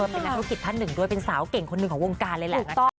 เป็นนักธุรกิจท่านหนึ่งด้วยเป็นสาวเก่งคนหนึ่งของวงการเลยแหละนะคะ